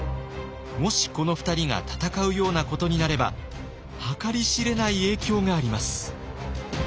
もしこの２人が戦うようなことになれば計り知れない影響があります。